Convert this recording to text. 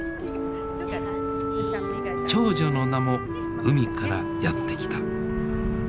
長女の名も海からやって来た。